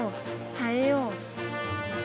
耐えよう。